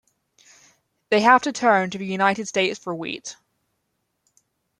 They have to turn to the United States for wheat.